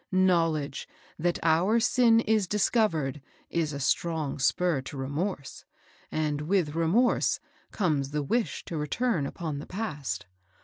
Knowledge that our sin is discov ered, is a strong spur to remorse, and with remorse comes the wish to return upon the past.